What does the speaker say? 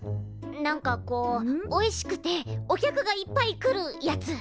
なんかこうおいしくてお客がいっぱい来るやつ。